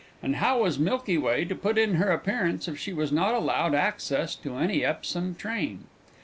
And how was Milky Way to put in her appearance if she was not allowed access to any Epsom train?